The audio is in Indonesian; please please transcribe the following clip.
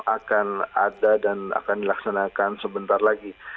akan ada dan akan dilaksanakan sebentar lagi